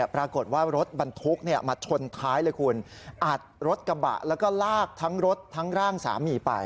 ปรากฏว่ารถบรรทุกมาชนท้ายเลยคุณอัดรถกระบะแล้วก็ลากทั้งรถทั้งร่างสามีไป